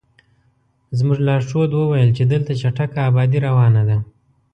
زموږ لارښود وویل چې دلته چټکه ابادي روانه ده.